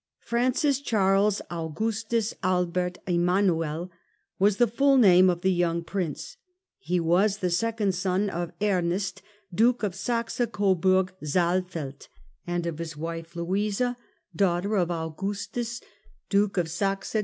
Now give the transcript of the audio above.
Francis Charles Augustus Albert Emmanuel was the full name of the young Prince. He was the second son of Ernest, Duke of Saxe Coburg Saalfeld, and of his wife Louisa, daughter of Augustus Duke 144 A HISTORY OF OUR OWN TIMES. OH.